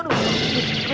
sup sup sup